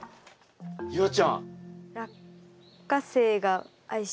夕空ちゃん。